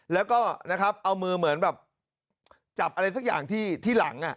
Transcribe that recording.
แล้วก็นะครับเอามือเหมือนแบบจับอะไรสักอย่างที่หลัง